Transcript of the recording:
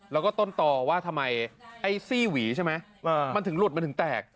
แล้วก็ต้นต่อว่าทำไมไอ้ซี่หวีใช่ไหมมันถึงหลุดมันถึงแตก